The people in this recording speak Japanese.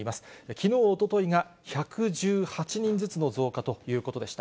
きのう、おとといが１１８人ずつの増加ということでした。